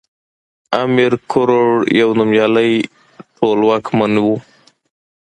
امير کروړ يو نوميالی ټولواکمن وی